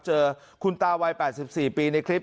เจอคุณตาวัย๘๔ปีในคลิป